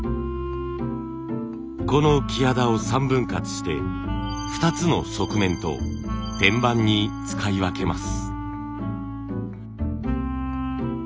このキハダを３分割して２つの側面と天板に使い分けます。